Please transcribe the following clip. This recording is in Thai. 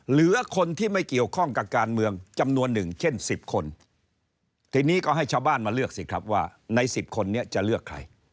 เหลือคนที่ไม่เกี่ยวข้องกับการเมืองจำนวนหนึ่งเช่น๑๐คนทีนี้ก็ให้ชาวบ้านมาเลือกสิครับว่าใน๑๐คนนี้จะเลือกใคร